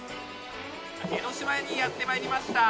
江の島にやってまいりました。